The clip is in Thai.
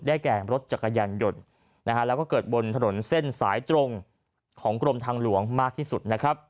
แก่รถจักรยานยนต์นะฮะแล้วก็เกิดบนถนนเส้นสายตรงของกรมทางหลวงมากที่สุดนะครับ